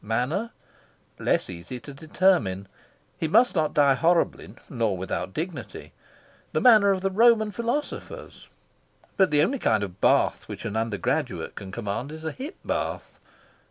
Manner:.. less easy to determine. He must not die horribly, nor without dignity. The manner of the Roman philosophers? But the only kind of bath which an undergraduate can command is a hip bath.